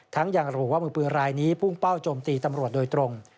ยังระบุว่ามือปืนรายนี้พุ่งเป้าโจมตีตำรวจโดยตรง